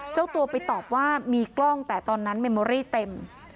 เจ้าตัวไปตอบว่ามีกล้องแต่ตอนนั้นเมมโมรี่เต็ม